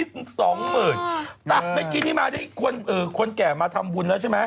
แต่เมื่อกี๊ควรแก่มาทำบุญ